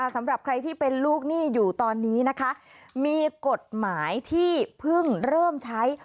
สำหรับใครที่เป็นลูกหนี้อยู่ตอนนี้นะคะมีกฎหมายที่เพิ่งเริ่มใช้